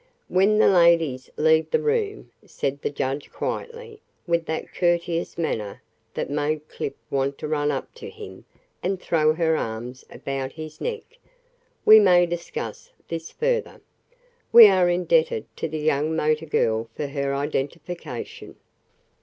"When the ladies leave the room," said the judge quietly, with that courteous manner that made Clip want to run up to him and throw her arms about his neck, "we may discuss this further. We are indebted to the young motor girl for her identification."